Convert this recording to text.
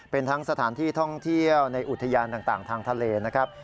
เป็นทั้งสถานที่ท่องเที่ยวในอุทยานต่างทางทะเลนะครับ